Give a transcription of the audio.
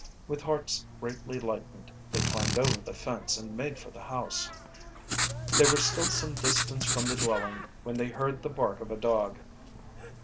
With hearts greatly lightened they climbed over the fence and made for the house. They were still some distance from the dwelling when they heard the bark of a dog.